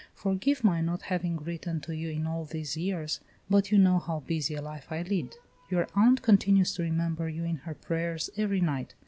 "Forgive my not having written to you in all these years, but you know how busy a life I lead. Your aunt continues to remember you in her prayers every night.